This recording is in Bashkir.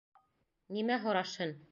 Нимә һорашһын?